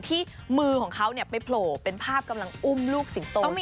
ที่มือของเขาไปโผล่เป็นภาพกำลังอุ้มลูกสิงโต